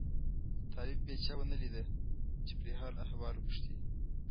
طالب بیا چا ونه لیده چې پرې حال احوال وپوښي.